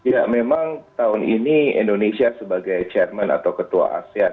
ya memang tahun ini indonesia sebagai chairman atau ketua asean